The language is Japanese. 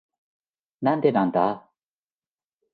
なんでなんだ？